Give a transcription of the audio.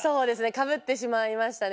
かぶってしまいましたね。